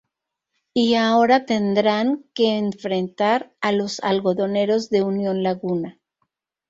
Y ahora tendrán que enfrentar a los Algodoneros de Unión Laguna.